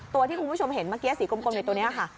ที่คุณผู้ชมเห็นเมื่อกี้สีกลมในตัวนี้ค่ะ